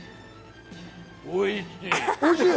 おいしい。